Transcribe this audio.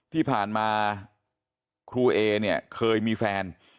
ที่ผ่านมาครูเอเนี่ยเคยมีแฟน